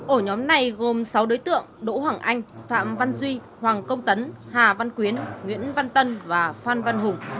ổ nhóm này gồm sáu đối tượng đỗ hoàng anh phạm văn duy hoàng công tấn hà văn quyến nguyễn văn tân và phan văn hùng